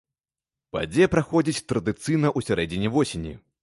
Падзея праходзіць традыцыйна ў сярэдзіне восені.